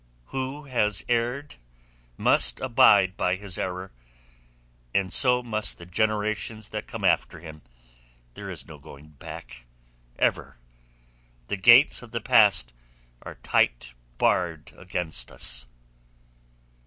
"Who has erred must abide by his error—and so must the generations that come after him. There is no going back ever. The gates of the past are tight barred against us."